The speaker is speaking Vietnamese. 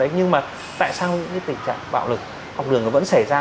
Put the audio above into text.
nhưng mà tại sao những tình trạng bảo lực học đường nó vẫn xảy ra